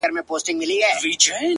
زه څه د څو نجونو يار خو نه يم .!